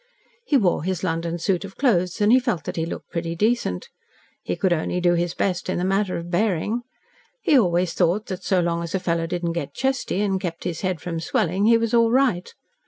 He wore his London suit of clothes and he felt that he looked pretty decent. He could only do his best in the matter of bearing. He always thought that, so long as a fellow didn't get "chesty" and kept his head from swelling, he was all right.